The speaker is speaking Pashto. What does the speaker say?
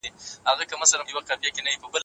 د خپل وخت ارزښت وپېژنه او بې ځایه کارونه مه کوه.